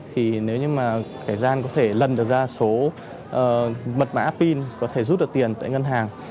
thì nếu như mà kẻ gian có thể lần được ra số mật mã pin có thể rút được tiền tại ngân hàng